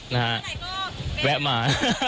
นะฮะแวะมา